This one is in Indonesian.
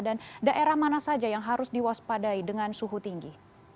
dan daerah mana saja yang harus diwaspadai dengan suhu tinggi